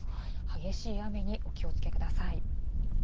激しい雨にお気をつけください。